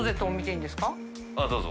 △どうぞ。